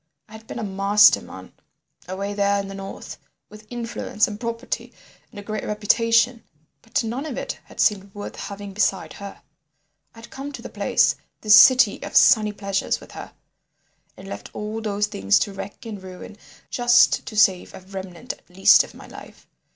I had been a master man away there in the north, with influence and property and a great reputation, but none of it had seemed worth having beside her. I had come to the place, this city of sunny pleasures with her, and left all those things to wreck and ruin just to save a remnant at least of my life.